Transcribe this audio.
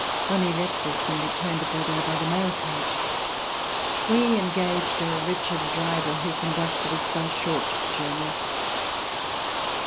Bonie left us and returned to Bordeaux by the mail coach. We engaged a wretched driver, who conducted us by short journeys.